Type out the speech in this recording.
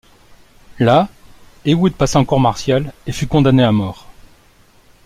Là, Heywood passa en cour martiale, et fut condamné à mort.